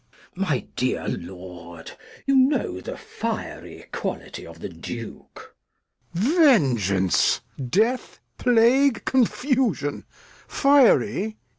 My dear Lord, You know the fiery QuaUty of the Duke. Lear. Vengeance, Death, Plague, Confusion; Fiery!